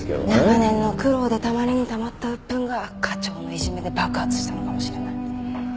長年の苦労でたまりにたまった鬱憤が課長のいじめで爆発したのかもしれない。